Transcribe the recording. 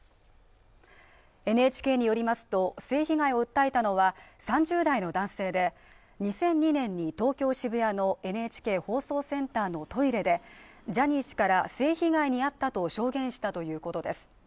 ＮＨＫによりますと性被害を訴えたのは３０代の男性で２００２年に東京・渋谷のＮＨＫ放送センターのトイレでジャニー氏から性被害にあったと証言したということです